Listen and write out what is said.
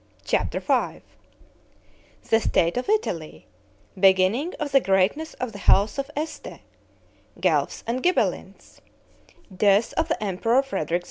CHAPTER V The state of Italy Beginning of the greatness of the house of Este Guelphs and Ghibellines Death of the Emperor Frederick II.